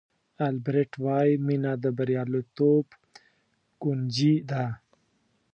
البرټ وایي مینه د بریالیتوب کونجي ده.